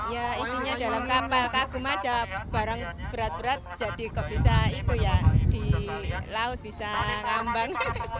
ya isinya dalam kapal kagum aja barang berat berat jadi kok bisa itu ya di laut bisa ngambang